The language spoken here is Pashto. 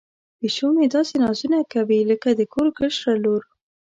پیشو مې داسې نازونه کوي لکه د کور کشره لور.